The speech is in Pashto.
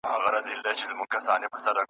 نور یې « آیة » بولي زه یې بولم «مُنانۍ».